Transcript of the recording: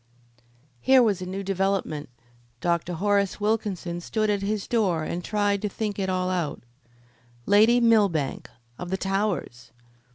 Here was a new development. Dr. Horace Wilkinson stood at his door and tried to think it all out. Lady Millbank, of the Towers!